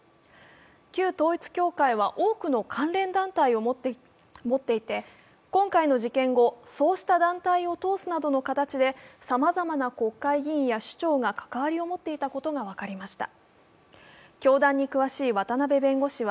旧統一教会は多くの関連団体を持っていて今回の事件後そうした団体を通すなどの形でさまざまな国会議員や首長が関わりを持っていたことが分かりました。